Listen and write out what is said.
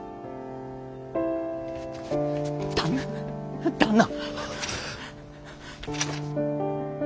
旦那旦那！